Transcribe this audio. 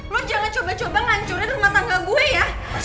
lo jangan coba coba ngancurin rumah tangga gue ya